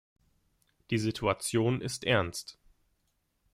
Die Situation ist ernst.